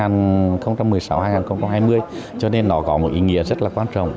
năm hai nghìn một mươi sáu hai nghìn hai mươi cho nên nó có một ý nghĩa rất là quan trọng